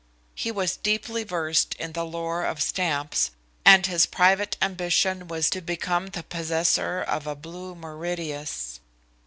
He was deeply versed in the lore of stamps, and his private ambition was to become the possessor of a "blue Mauritius."